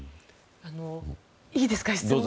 いいですか、質問。